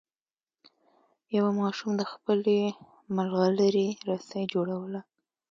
یوه ماشوم د خپلې ملغلرې رسۍ جوړوله.